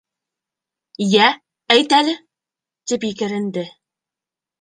Йә, әйт әле! - тип екеренде.